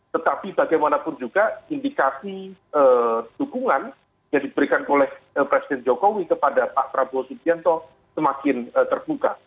tetapi bagaimanapun juga indikasi dukungan yang diberikan oleh presiden jokowi kepada pak prabowo subianto semakin terbuka